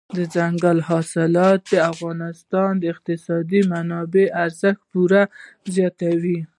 دځنګل حاصلات د افغانستان د اقتصادي منابعو ارزښت پوره زیاتوي.